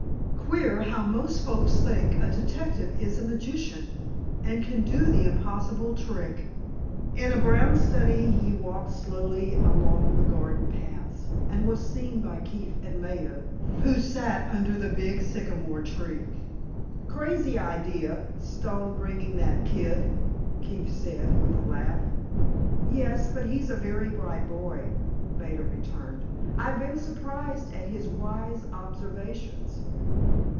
Queer, how most folks think a detective is a magician, and can do the impossible trick!" In a brown study he walked slowly along the garden paths, and was seen by Keefe and Maida, who sat under the big sycamore tree. "Crazy idea, Stone bringing that kid," Keefe said, with a laugh. "Yes, but he's a very bright boy," Maida returned. "I've been surprised at his wise observations."